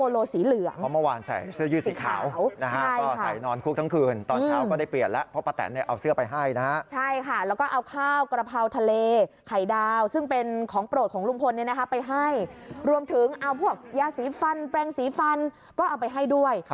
รวมถึงเอาพวกยาสีฟันแปรงสีฟันก็เอาไปให้ด้วย